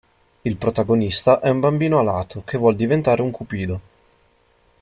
Il protagonista è un bambino alato, che vuole diventare un cupido.